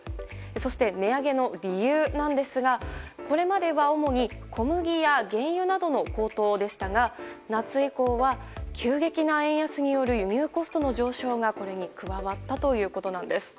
そして、値上げの理由なんですがこれまでは主に小麦や原油などの高騰でしたが夏以降は急激な円安による輸入コストの上昇がこれに加わったということなんです。